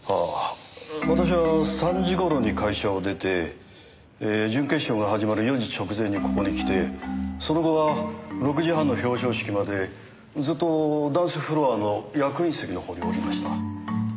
私は３時頃に会社を出て準決勝が始まる４時直前にここに来てその後は６時半の表彰式までずっとダンスフロアの役員席の方におりました。